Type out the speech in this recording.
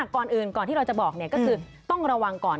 ก่อนอื่นก่อนที่เราจะบอกก็คือต้องระวังก่อน